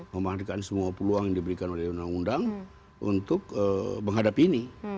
memanfaatkan semua peluang yang diberikan oleh undang undang untuk menghadapi ini